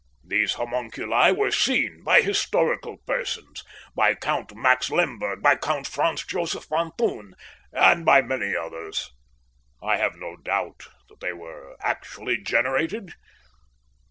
These homunculi were seen by historical persons, by Count Max Lemberg, by Count Franz Josef von Thun, and by many others. I have no doubt that they were actually generated.